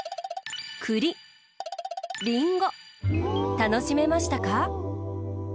たのしめましたか？